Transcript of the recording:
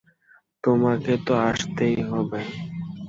তোমাকে তো আসতেই হবে।